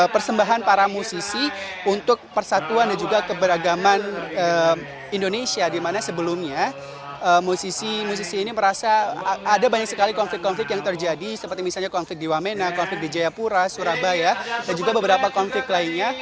persembahan para musisi untuk persatuan dan juga keberagaman indonesia dimana sebelumnya musisi musisi ini merasa ada banyak sekali konflik konflik yang terjadi seperti misalnya konflik di wamena konflik di jayapura surabaya dan juga beberapa konflik lainnya